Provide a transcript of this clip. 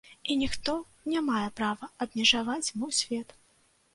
І ніхто не мае права абмежаваць мой свет.